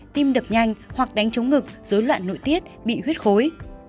tim đập nhanh hoặc đánh chống ngực dối loạn nội tiết bị huyết khối